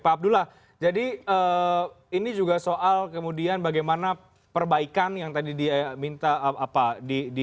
pak abdullah jadi ini juga soal kemudian bagaimana perbaikan yang tadi dia minta dimasuk